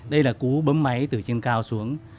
đây là cú bấm máy từ trên cao xuống